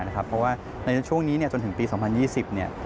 เพราะว่าในช่วงนี้จนถึงปี๒๐๒๐เนี่ย